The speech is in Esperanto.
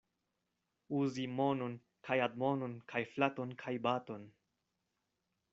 Uzi monon kaj admonon kaj flaton kaj baton.